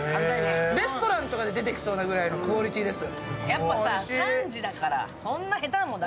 レストランとかで出てきそうなぐらいのクオリティーです。